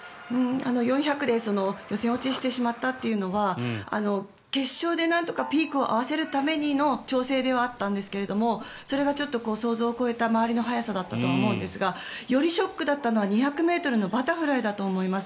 ４００ｍで予選落ちしてしまったというのは決勝でなんとかピークを合わせるための調整ではあったんですがそれがちょっと想像を超えた周りの速さだったと思うんですがよりショックだったのは２００ｍのバタフライだったと思います。